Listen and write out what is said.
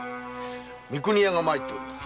三国屋が参っております。